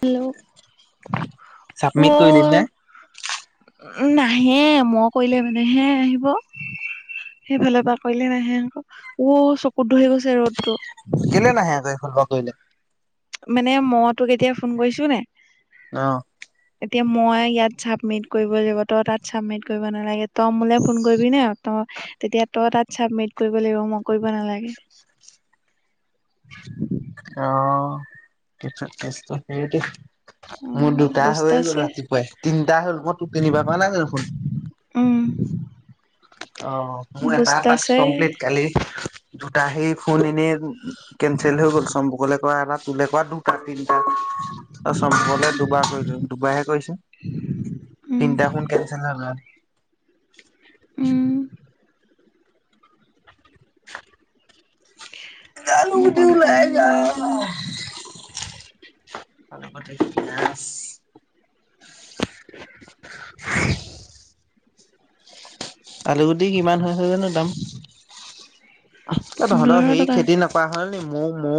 Hello অ submit কৰি উম দিছে। নাহে মই কৰিলে মানে হে আহিব। সেইফালৰ পৰা কৰিলে নাহে আক, অ' চকুত ধৰি গৈছে ৰ'দতটো। কেলে নাহে আক সেই ফালৰ পা কৰিলে? মানে মই তোক এতিয়া ফোন কৰিছো নে? আহহ। এতিয়া মই ইয়াত ছাবমিট কৰিব লাগিব। তই তাত ছাবমিট কৰিব নালাগে তই মোলৈ ফোন কৰিবি ন তই তেতিয়া তই তাত ছাবমিট কৰিব লাগিব মই কৰিব নালাগে। আহ কেছটৌ সেইটো। মোৰ উম দুটা বস্তা হৈয়ে গ'ল আছে ৰাতিপুৱাই, তিনিটা হ'ল। মই তিনি বাৰ কৰা নাই জানো ফোন উম অ' মোৰ এটা বস্তা টাক্স আছে কমপ্লিট, কালি দুটা সেই ফোন এনেই কেনচেল হৈ গ'ল। চম্পকলে ক'ৰা এটা তোলে ক'ৰা দুটা, তিনি অ' চম্পকলে দুবাৰ কৰিলো দুবাৰহে কৰিছো। উম তিনিটা ফোন কেঞ্চেল হ'ল। উম জালো মই দি অকণ কম ওলাই যা বুলি ভাবিছো না। নাই ভাল কথা [unintelligible] আলুগুটি কিমান হৈছে জানো দাম? এ তহঁতৰ পোন্ধৰ হে টকা খেতি নকৰা হল নি মৌ মৌ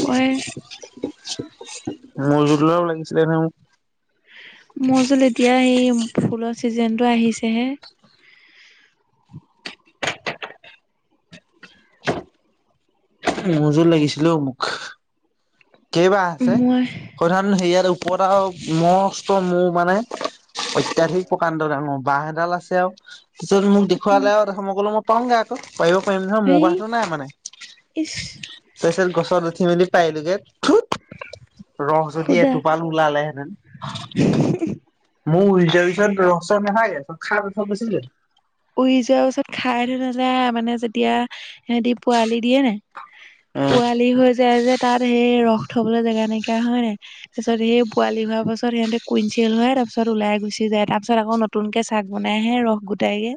কৰে। মৌজোল আলপ লাগিছিলে নহয় মোক? মৌজোল, এতিয়া সেই ফুলৰ চিজন টো আহিছে হে। মৌজোল লাগিছিলে ঔ মোক। কেই বাঁহ আছে? মই সৌ দিনাখন হেৰিয়াত মোৰ এটা মষ্ট মৌ মানে অত্যাধিক প্ৰকাণ্ড বাঁহ এডাল আছে আৰু পিছত মোক দেখুৱালে আৰু মইকলো মই পাৰোংগৈ আকৌ। পাৰিব পাৰিম নহয় মৌ সেই বাঁহটো নাই, মানে ইচ তাৰপিছত গছত উঠি মেলি পাৰিলোগে। দুৎ ৰস যদি সুদা এটোপাল ওলালে হেঁতেন। মৌ উৰি যোৱাৰ পিছত ৰস চস নাথাকে, চব খাই থৈ গুচি যায়। উৰি যোৱাৰ পাছত খাই থৈ নাযায়, মানে যেতিয়া সিহঁতি পোৱালি দিয়ে নে? অ' পোৱালি হৈ যায় যে তাত সেই ৰস থবলৈ জেগা নাইকিয়া হয় নাই, তাৰপিছত সেই পোৱালি হোৱাৰ পাছত সিহঁতে কুইনচিয়েল হয় তাৰ পিছত ওলাই গুচি যায়। তাৰ পিছত আকৌ নতুন কে চাক বনাই আহে ৰস গোটাই গে।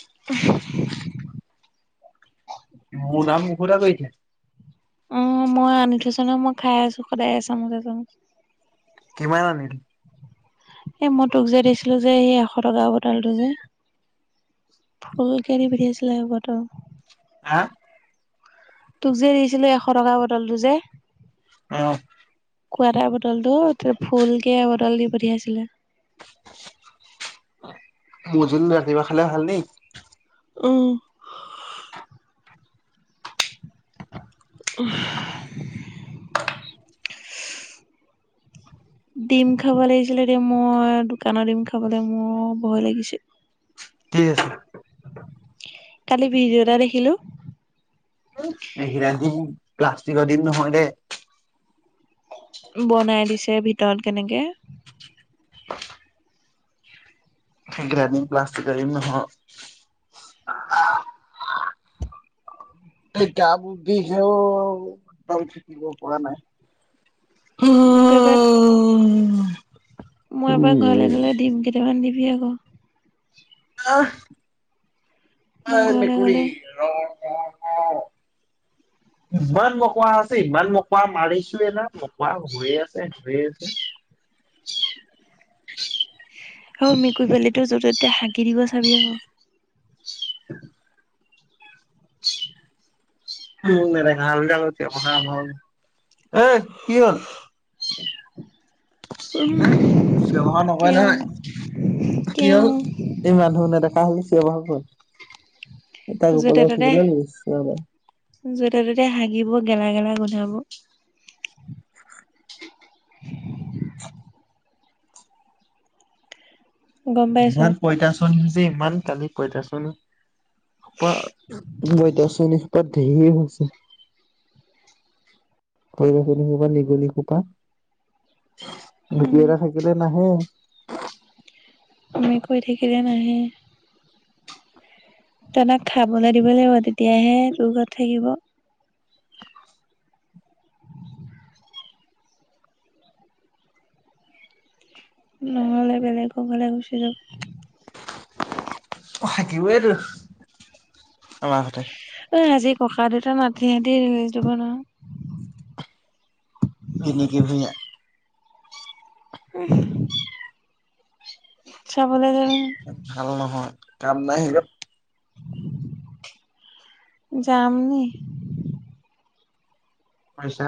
[unintelligible] মোৰ নাম মুকুতা কলিতা। উম, মই আনি থৈছোঁ নহয়। মই খাই আছোঁ সদায় এচামুচ-এচামুচ। কিমান আনিলা? এই মই তোক যে দিছিলোঁ যে, এই এশটকা বটলটো যে ফুলকে দি পঠাইছিলে এবটল। আ'? তোক যে দিছিলোঁ, এশটকা বটলটো যে অহ। কোৱাৰ্টাৰ বটলটো ফুলকে এবটল দি পঠিয়াইছিলে। মৌজুল ৰাতিপুৱা খালে ভাল দেই। উম। [unintelligible] ডিম খাব লাগিছিলে, এতি মই দোকানৰ ডিম খাবলৈ মোৰ ভয় লাগিছে। কি আছে। কালি ভিডিঅ' এটা দেখিলোঁ। এইবিলাক ডিম, প্লাষ্টিকৰ ডিম নহয় দে। বনাই দিছে ভিতৰত কেনেকে। [unintelligible] এই কেইটা ডিম প্লাষ্টিক নহয়। [unintelligible] এই তাপ উঠিছেও, [unintelligible] থাকিব পৰা নাই। উম, কৰোবাত- - উম মই এবাৰ ঘৰলে গ'লে, দিম কেইটামান দিবি আকৌ। অহ, মোৰ এই ঘৰলে মেকুৰী, গ'লে ৰহ। [inaudible] ইমান মোকোৰা আছে। ইমান মোকোৰা মাৰিছোঁৱে না, মোকোৰা হৈয়ে আছে, হৈয়ে আছে। [inaudible] আৰু মেকুৰী পোৱালিটো য'তে-ত'তে হাগি দিব, চাবি আকৌ। উম, নেদেখা হ'ল যে আগত নোহা হ'ল। অই, কি হ'ল? ব্যৱহাৰ নকৰে কেও নহয়। কি কেও হ'ল, এই মানুহ নেদেখা হ'লে। চিঞৰ বাখৰ তাৰ ওপৰত [unintelligible] অহ ৰহবা। য'তে-ত'তে হাগিব, গেলা-গেলা গোন্ধাব। [inaudible] গম পাইছ ইমান পইতাচনী যে, ইমান কালি পইতাচনী। পা, মই এতিয়া চুলি-সপাত ধেৰ হৈছে। সৰু সৰু সোপা, নিগনি সোপা। উম। মেকুৰী এটা থাকিলে নাহে। মেকুৰী থাকিলে নাহে। তাহতক খাবলৈ দিব লাগিব। তেতিয়াহে তোৰ ঘৰত থাকিব। নহ'লে বেলেগ ঘৰলৈ গুচি যাব। থাকিবইটো, আমাৰ ঘৰতে। এ আজি ককা দেউতা মাটিয়ে দি হেই কৰিব নহয়। ৰিনিকী ভূঞা। উম। চ'ব। ভাল নহয়, কাম নাই সেইবোৰ। যাম নি? পাইছা।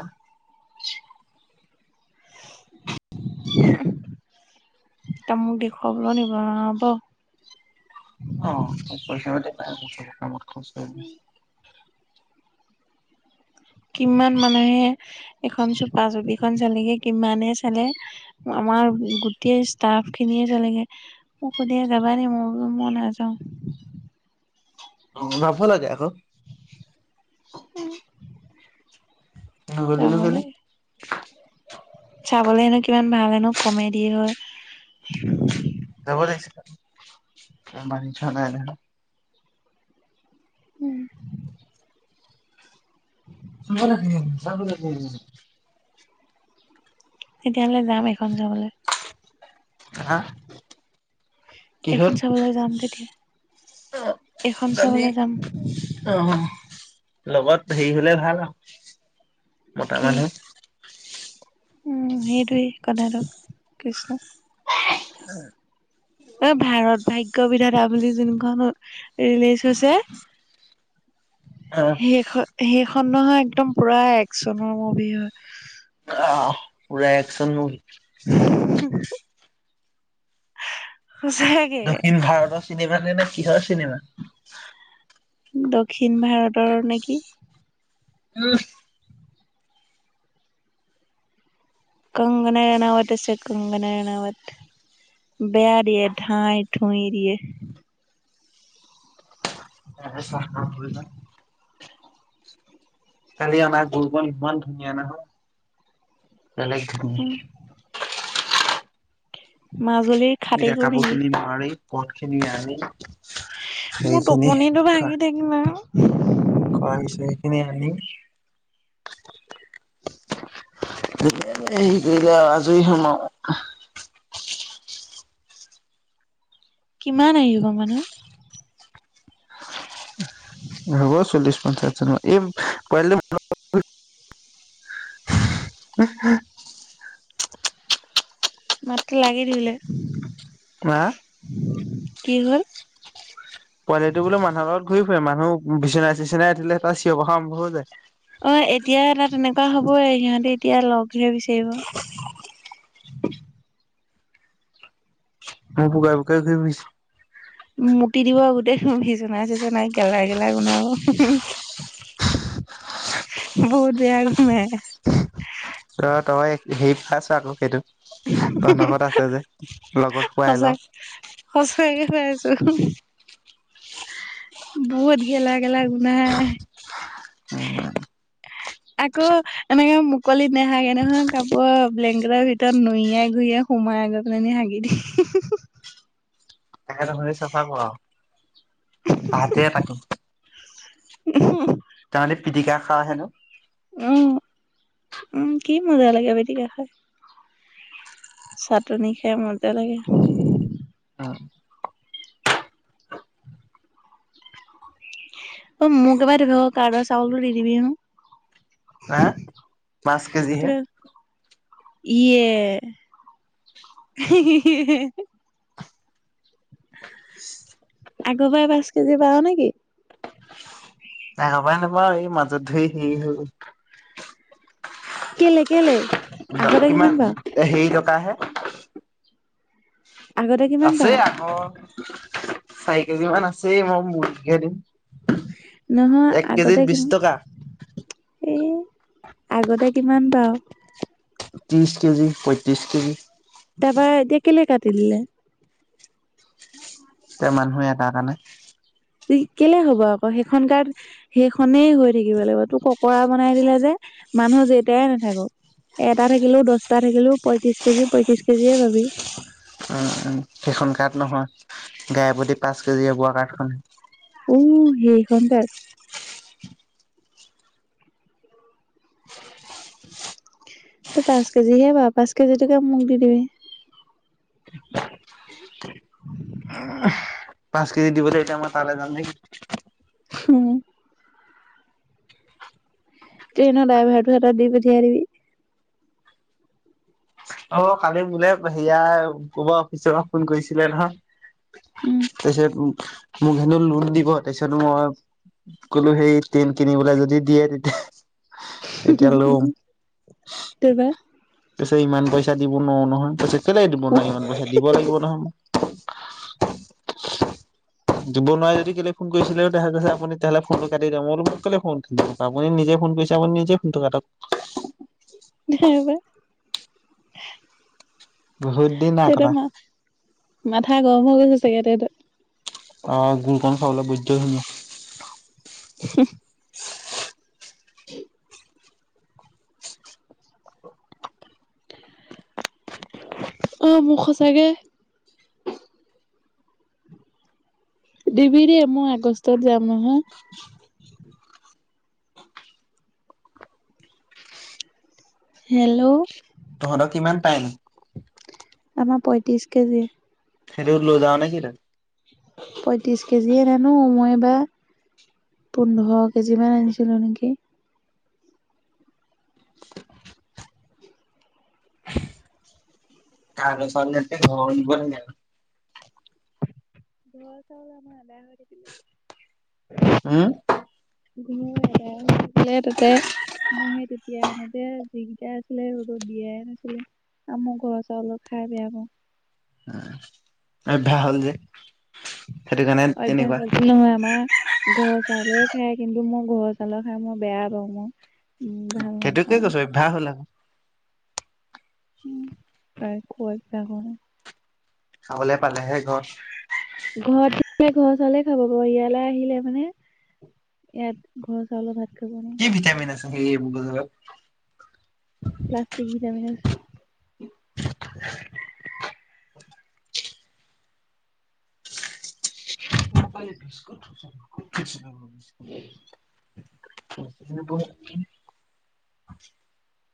[inaudible] তই মোক দেখুৱাবলৈ নিব নোৱাৰ হ'ব। অ', পইচা পাতি নাই [unintelligible] খলচ কৰিবলৈ কিমান মানুহে এখন চুপা চুপি খন চালেগে, কিমানে চালে আমাৰ আমাৰ গোটেই ষ্টাফখিনিয়ে জ্বললৈগে, মোক সুধে যাবানেকি মই বোলোঁ মই নাযাওঁ। [unintelligible] মোনাফা লাগে আকৌ। অঔ নগলিগে কেলি। চাবলৈ হেনো কিমান ভাল হয় ন কমেডীৰ হয়। আমাৰ ইঠা নাই নহয় উম। [unintelligible] তেতিয়াহ'লে যাম এইখন জেগালে। আহা। এইখন চাবলৈ যাম তেতিয়া। অহ এখন দালি চাবলৈ যাম অ-অহ লগত হেৰি হ'লে ভাল আৰু, মতা মানুহ। উম-ম সেইটোৱেই কথাটো, কৃষ্ণ। এঔ এ ভাৰত ভাগ্য বিধাতা বুলি যোনখন ৰিলিজ হৈছে অ [inaudible] সেহখন-সেইখন নহয় একদম পুৰা একচনৰ মুভি হয়। অহ পুৰা একচন মুভি। হুহু ওও দক্ষিণ ভাৰতৰ চিনেমা নে কিহৰ চিনেমা? দক্ষিণ ভাৰতৰ নেকি। উমহ কংগনা ৰানাৱট আছে কংগনা ৰানাৱট। বেয়া দিয়ে ধাইধুই দিয়ে। ইয়াতে চাহ কামদুদিলা [unintelligible] কালি অনা গুৰকন ইমান ধুনীয়া নহয়, বেলেগ ধুনী উম মাজুলীৰ খাটি এতিয়া কৰো কাপোৰ নেকি খিনি মাৰি পথখিনি আনি মোৰ সেইখিনি টোপনিটো খোৱা ভাাগি থাকিল ও খোৱা হৈছে সেইখিনি আনি [inaudible] এই হেৰি কৰিলো আৰু আজৰি হম আৰু কিমান আহিব মানুহ? হ'ব চল্লিশ পঞ্চাশ জনন এই [unintelligible] অহ হাহ ঠাপ ঠুপ মাতটো লাগি ধৰিলে। হা কি হ'ল? পোৱালিটোবোলো মানুহৰ লগত ঘূৰি ফুৰে মানুহ-হু বিচনাই চিচনাই উঠিলে হেতো চিঞৰ বাখৰ আৰম্ভ হৈ যায়। অই এতিয়া এটা তেনেকুৱা হ'বই সিহঁতে এতিয়া লগহে বিচাৰিব। উহু মই পোকৰে পোকৰে ঘূৰি ফুৰিছে। মুতি দিব গোটেই বিচনাই চিচনাই গেলা গেলা গোন্ধাব হুহু। বহুত বেয়া গোন্ধাই। অ' তই হেৰিত খাইছা আকৌ সেইটো। তহঁতৰ ঘৰত আছে যে লগত খোৱাই সঁচা লওঁ। সঁচাকে কৈ আছো। বহুত গেলা গেলা গোন্ধাই। আকৌ এনেকে মুকলিত নেহাগে নহয়, কাপোৰ ব্লেংকেটৰ ভিতৰত নুইয়াই ঘূৰি সুমাই গ'লে নি হাগি দি তাকে চাফা কৰাওঁ, হাতে পাতি উ তাহলে পিটিকা খাৱ হেনো। উম উম, কি মজা লাগে পিটিকা খায়। চাটনি খাই মজা লাগে। [unintelligible] অ' মোক এবাৰ দিব কাডৰ চাউলো দি দিবিহোন। হা, পাঁচ কেজি হে। ইয়ে [unintelligible] আগৰ পৰাাই পাঁচ কেজি পাওঁ নেকি? তাই [unintelligible] নাপাওঁ এই মাজত ধুই সেই হ'ল কেলে, কেলে। আগতে কিমান পাও হেৰি টকাহে। আগতে কিমান আছে পাও আকৌ চাৰি কেজি মান আছেই মই মূৰ্গীকে দিম। নহয় এক কেজিত আগতে বিশ কিম টকা এই আগতে কিমান পাওঁ। ত্ৰিশ কেজি, পয়ত্ৰিশ কেজি। তাৰপা এতিয়া কেলে কাটি দিলে। [unintelligible] তে মানুহে এ তাৰ তাৰ না কেলে হ'ব, আকৌ সেইখন কাড সেইখনেই হৈ থাকিব লাগিব, তোক ককৰা বনাই দিলে যে। মানুহ যেটাই নাথাকক। এটা থাকিলো দহটা থাকিলো পয়ত্ৰিশ কেজি পয়ত্ৰিশ কেজিয়ে পাবি। উ, উ, সেইখন কাৰ্ড নহয় গাই প্ৰতি পাঁচ কেজি পোৱা কাৰ্ড খন। উ হেইখন কাৰ্ড। তই পাঁচ কেজিহে পাওঁ, পাঁচ কেজি টোকে মোক দি দিবি। [unintelligible] পাঁচ কেজি দিবলৈ, এতিয়া মই তালৈ যাম নেকি। হম। ট্ৰেইনৰ ড্ৰাইভাৰটো হাটত দি পঠিয়াই দিবি। অ' কালি মোলে সেয়া কবা অফিচৰ পৰা ফোন কৰিছিলে উম নহয়। তাৰপিছত মোক হেনো লোন দিব, তাৰপিছত মই ক'লো সেই টেল কিনিবলৈ যদি দিয়ে তেতিয়া। তেতিয়ালৈ, তাৰপা পিছে ইমান পইচা। দিব নোৱাৰো নহয় তাৰপিছত কেলে দিব নোৱাৰে ইমান পইচা দিব লাগিব নহয়। মই দিব নোৱাৰোৱাৰে যদি কেলে ফোন কৰিছিলে তে আপুনি তেতিয়া হ'লে ফোনটো কাটি দিয়ক মোৰক কেলে ফোন [unintelligible] আপুনি নিজে ফোন কৰিছা আপুনি নিজেই ফোনটো কাটক। ৰবা। বহুত দিন নাই কটা। মাথা গৰম হৈ ছাগে তাই তাত। অ', গুৰকণ খাবলৈ বৈদ্য ধুনীয়া। [inaudible] [inaudible] আহ মোক সচাকে দিবি দেই মই আগষ্টত যাম নহয়। হেল্ল'? তহঁতক কিমান পায়নো? আমাৰ পয়ত্ৰিশ কেজি। সেইটো লয় যাওঁনে কি তই? পয়ত্ৰিছ কেজিহে নানো মই এইবাৰ। পোন্ধৰ কেজি মান আনিছিলো নেকি? তাল চতে [unintelligible] ঘৰ চাউল ভাত আদায় হৈ থাকিলে। উম। [unintelligible] তাতে মই হে তেতিয়া আনোটে যিকেইটা আছিলে ৰ'দত দিয়াই নাছিলো। আৰু মই ঘৰ চাউলৰ খাই বেয়া পাওঁ। [unintelligible] অভ্যাস হ'ল যে সেইটো কাৰণে তেনেকুৱা অভ্যাস নহয় আমাৰ গছ চাউলে খাই কিন্তু মই ঘৰৰ চাউলৰ খাই মই বেয়া পাওঁ মোৰ। সেইটোকে কৈছো অভ্যাস হ'ল আকৌ। উম, প্ৰায় কুঅভ্যাস হয়। খাবলৈ পালেহে ঘৰত। ঘৰত ঘৰৰ চাউলে খাব বাৰু ইয়ালৈ আহিলে মানে ইয়াত ঘৰ চাউলৰ ভাত খাব কি নোৱাৰে। ভিটামিন আছে সেই এইবোৰ [unintelligible] প্লাষ্টিক ভিটামিনৰ [inaudible] [inaudible] কিন্তু তোৰ